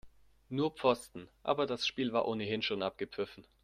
Nur Pfosten, aber das Spiel war ohnehin schon abgepfiffen.